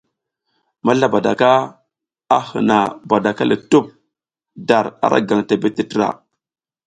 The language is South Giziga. Mazlabadaka a hǝna badaka le tup dar ara gaŋ tebeɗ tǝtra.